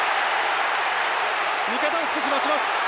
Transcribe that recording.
味方を少し待ちます。